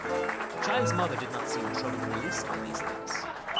The child's mother did not seem troubled in the least by these things.